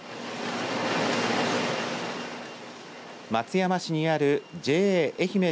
松山市にあるＪＡえひめ